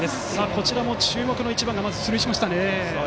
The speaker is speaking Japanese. こちらも注目の１番が出塁しましたね。